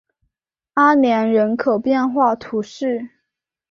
阿年人口变化图示